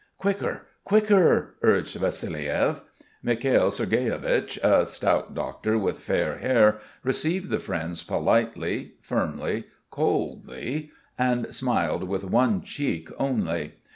"Quicker, quicker...." urged Vassiliev. Mikhail Sergueyich, a stout doctor with fair hair, received the friends politely, firmly, coldly, and smiled with one cheek only.